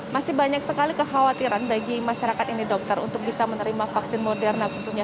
masih banyak sekali kekhawatiran bagi masyarakat ini dokter untuk bisa menerima vaksin moderna khususnya